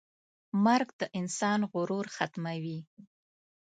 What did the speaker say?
مرګ د انسان غرور ختموي.